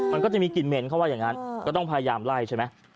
มันก็จะมีกลิ่นเหม็นเขาว่าอย่างนั้นก็ต้องพยายามไล่ใช่ไหม